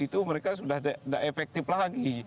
itu mereka sudah tidak efektif lagi